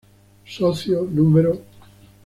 Socio Nro.